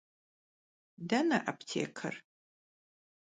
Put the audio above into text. Dene aptêker?